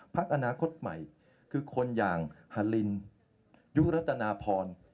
พักอนาคตใหม่คือคนอย่างฮาลินยุรัตนาพร